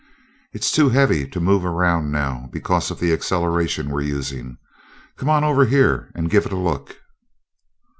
It's too heavy to move around now, because of the acceleration we're using come on over here and give it a look."